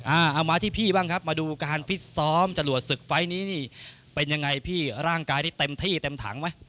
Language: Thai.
เอามาที่พี่บ้างครับมาดูการฟิตซ้อมจรวดศึกไฟล์นี้นี่เป็นยังไงพี่ร่างกายนี่เต็มที่เต็มถังไหม